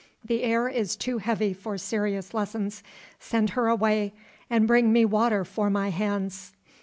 The air is too heavy for serious lessons. Send her away and bring me water for my hands."